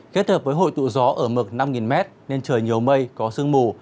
kết hợp với hội tụ gió ở mực năm m nên trời nhiều mây có sương mù